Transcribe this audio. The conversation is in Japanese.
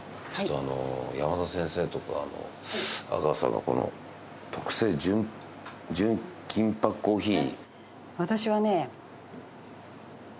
山田先生とか阿川さんがこの特選純金箔コーヒー。